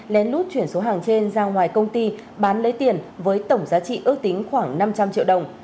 lén lút chuyển số hàng trên ra ngoài công ty bán lấy tiền với tổng giá trị ước tính khoảng năm trăm linh triệu đồng